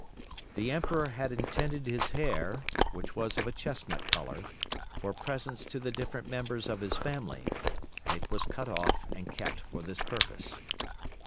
The Emperor had intended his hair (which was of a chestnut colour) for presents to the different members of his family, and it was cut off and kept for this purpose.